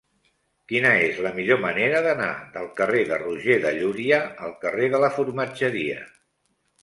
Quina és la millor manera d'anar del carrer de Roger de Llúria al carrer de la Formatgeria?